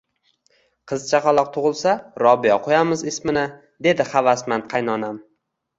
Qiz chaqaloq tug`ilsa, Robiya qo`yamiz ismini, dedi havasmand qaynonam